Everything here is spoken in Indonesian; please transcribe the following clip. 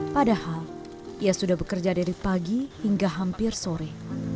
padahal ia sudah bekerja dari pagi hingga hampir sore